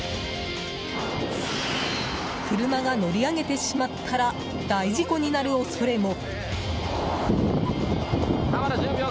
車が乗り上げてしまったら大事故になる恐れも。